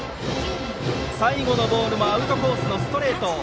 最後のボールもアウトコースのストレート。